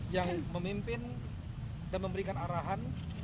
yang memimpin dan memberikan arahan